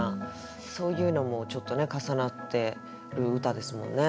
そういうのもちょっとね重なってる歌ですもんね。